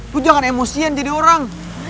lo jangan emosien jadi orang